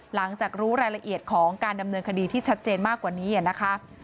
หลังจากรู้รายละเอียดของการดำเนินคดีที่ชัดเจนมากกว่านี้นะคะ